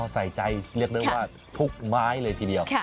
ใส่ใจเรียกได้ว่าทุกไม้เลยทีเดียว